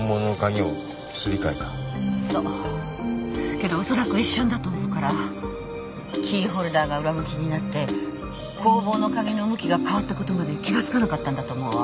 けどおそらく一瞬だと思うからキーホルダーが裏向きになって工房の鍵の向きが変わったことまで気が付かなかったんだと思うわ。